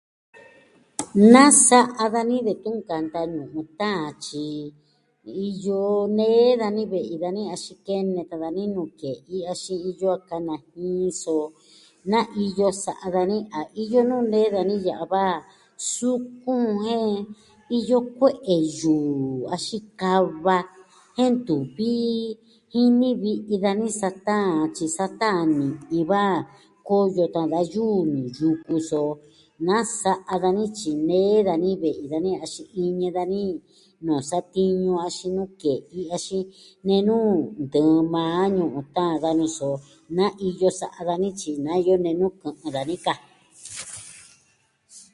Nasa'a dani detun nkanta ñu'un taan tyi iyo nee dani ve'i dani axin kene tan dani nuu ke'i axin iyo a kanajin, so na iyo sa'a dani, a iyo nuu nee dani ya'a va sukun jen, iyo kue'e yuu, axin kava, jen ntuvi jini vi'i dani sa taan tyi sa taan ni'i va koyo tan da yuu nuu yuku, so nasa'a dani tyi nee dani ve'i dani axin iñɨ dani nuu satiñu axin nuu ke'i axin nenu ntɨɨn maa ñu'un taan da nu'u, so naa iyo sa'a dani tyi naa iyo nenu kɨ'ɨn dani ka.